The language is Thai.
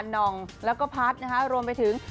นองและก็พัทรนะคะรวมไปถึง